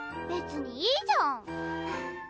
別にいいじゃん！